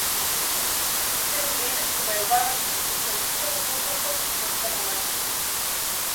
Сѐ до денес, кога ја завршив оставинската постапка по смртта на мајка ми.